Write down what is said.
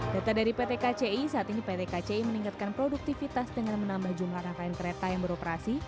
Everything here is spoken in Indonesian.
data dari pt kci saat ini pt kci meningkatkan produktivitas dengan menambah jumlah rangkaian kereta yang beroperasi